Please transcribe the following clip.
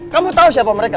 kamu tau siapa mereka